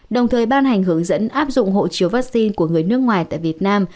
đồng thời ban hành hướng dẫn áp dụng hộ chiếu vaccine của người nước ngoài tại việt nam